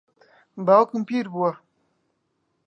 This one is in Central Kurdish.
باوکم پیر بووە.